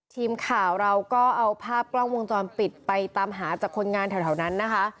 ทีมข่าวเราก็เอาภาพกล้องวงจรปิดไปตามหาจากคนงานแถวนั้นนะคะ